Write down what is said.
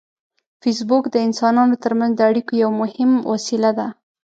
فېسبوک د انسانانو ترمنځ د اړیکو یو مهم وسیله ده